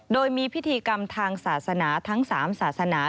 โดยมีพิธีกรรมทางศาสนาทั้ง๓ศาสนา